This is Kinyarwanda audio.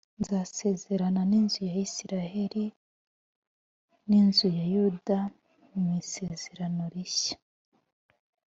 nzasezerana n inzu ya isirayeli l n inzu ya yuda m isezerano rishya